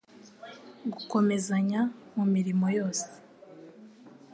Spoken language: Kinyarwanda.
gukomezanya mu mirimo yose,